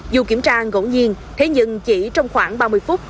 dù kiểm tra ngẫu nhiên thế nhưng chỉ trong khoảng ba mươi phút